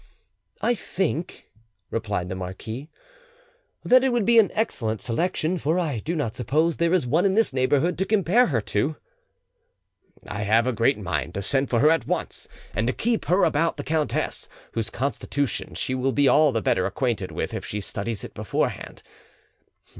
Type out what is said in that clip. "I think," replied the marquis, "that it would be an excellent selection, for I do not suppose there is one in this neighbourhood to compare to her." "I have a great mind to send for her at once, and to keep her about the countess, whose constitution she will be all the better acquainted with if she studies it beforehand.